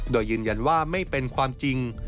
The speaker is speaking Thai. โดยยืนยันว่าไม่เป็นความจริง